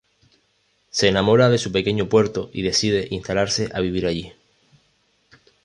Se enamora de su pequeño puerto y decide instalarse a vivir allí.